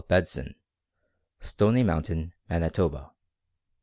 Bedson, Stony Mountain, Manitoba.